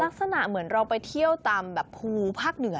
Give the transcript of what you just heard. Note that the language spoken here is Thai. ลักษณะเหมือนเราไปเที่ยวตามแบบภูภาคเหนือ